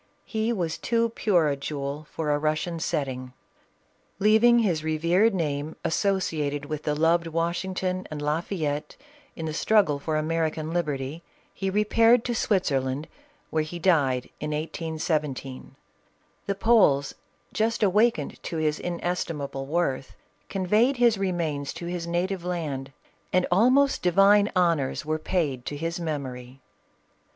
He was too pure a jewel for a Russian setting. Leaving his revered name associated 436 'CATHERINE OF RUSSIA. with the loved Washington and La Fayette in the struggle for American liberty, he repaired to Switzer land, where he died in 1817. The Poles just awakened to his inestimable worth, conveyed his remains to his native land, and almost divina honors were paid to his memory.